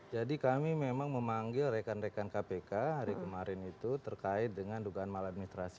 jadi kami memang memanggil rekan rekan kpk hari kemarin itu terkait dengan dugaan malah administrasi